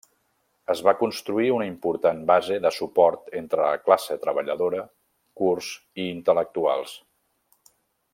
Es va construir una important base de suport entre la classe treballadora, kurds i intel·lectuals.